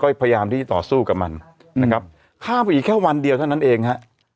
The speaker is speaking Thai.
ก็พยายามที่จะต่อสู้กับมันนะครับข้ามไปอีกแค่วันเดียวเท่านั้นเองฮะ